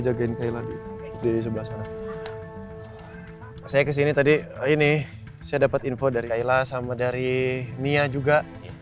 jagain keilang di sebelah saya kesini tadi ini saya dapat info dari kayla sama dari mia juga